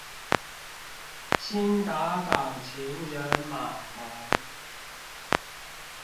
興達港情人碼頭